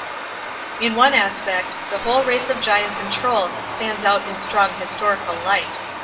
In one aspect, the whole race of Giants and Trolls stands out in strong historical light.